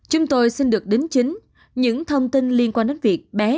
chúng tôi xin được đính chính những thông tin liên quan đến việc bé